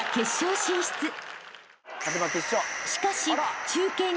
［しかし］